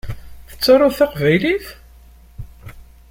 Tettaruḍ taqbaylit?